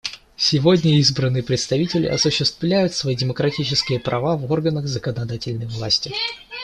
Сегодня избранные представители осуществляют свои демократические права в органах законодательной власти.